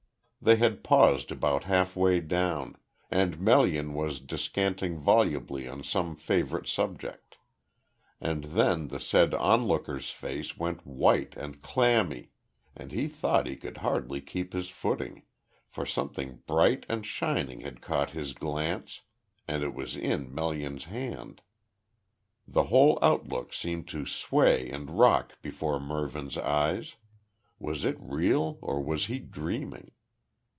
They had paused about halfway down, and Melian was descanting volubly on some favourite subject and then the said onlooker's face went white and clammy, and he thought he could hardly keep his footing, for something bright and shining had caught his glance, and it was in Melian's hand. The whole outlook seemed to sway and rock before Mervyn's eyes. Was it real or was he dreaming?